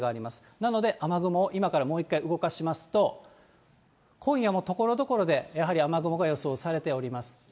なので雨雲を今からもう一回動かしますと、今夜もところどころでやはり雨雲が予想されています。